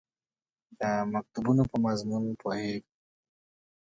مکتوبونو په مضمون پوهېږم.